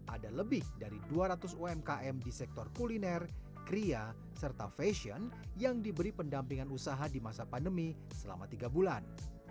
ada lebih dari dua ratus umkm di sektor kuliner kria serta fashion yang diberi pendampingan usaha di masa pandemi selama tiga bulan